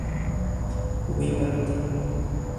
Wî berda.